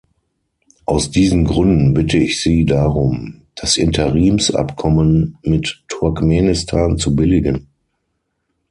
Aus diesen Gründen bitte ich Sie darum, das Interimsabkommen mit Turkmenistan zu billigen.